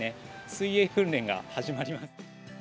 水泳訓練が始まります。